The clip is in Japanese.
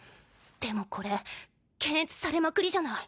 でもこれ検閲されまくりじゃない。